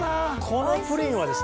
このプリンはですね